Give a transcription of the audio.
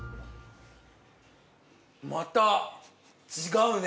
また違うね。